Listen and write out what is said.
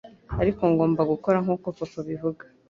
Ariko ngomba gukora nkuko papa abivuga.